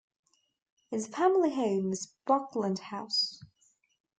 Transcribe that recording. His family home was Buckland House.